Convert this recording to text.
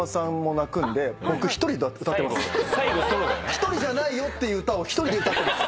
一人じゃないよっていう歌を一人で歌ってる。